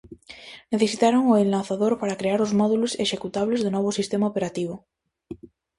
Necesitaron o enlazador para crear os módulos executables do novo sistema operativo.